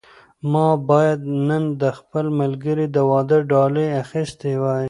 ما باید نن د خپل ملګري د واده ډالۍ اخیستې وای.